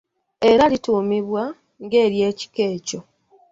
Era lituumibwa ng’ery’ekika ekyo.